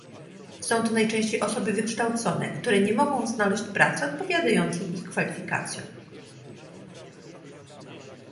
Są to najczęściej osoby wykształcone, które nie mogę znaleźć pracy odpowiadającej ich kwalifikacjom